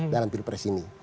dalam pilpres ini